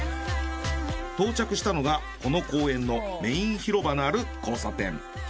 到着したのがこの公園のメイン広場のある交差点。